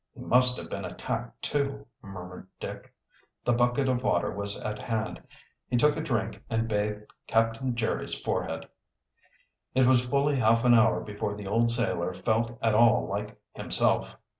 "He must have been attacked, too," murmured Dick. The bucket of water was at hand, And he took a drink and bathed Captain Jerry's forehead. It was fully half an hour before the old sailor felt at all like himself.